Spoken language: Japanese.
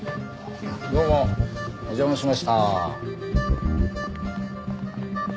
どうもお邪魔しました。